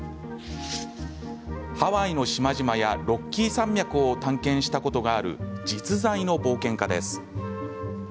ハワイの島々やロッキー山脈を探検したことがある実在の冒険家です。